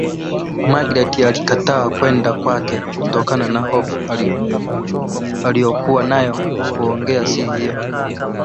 Magreth alikataa kwenda kwake kutokana na hofu alokua nayo kuongea siri hiyo